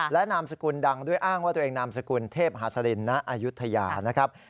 และนามสกุลดังด้วยอ้างว่าตัวเองนามสกุลเทพฮาสรินณอายุทยานะครับ